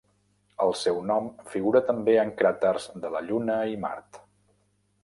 El seu nom figura també en cràters de la Lluna i Mart.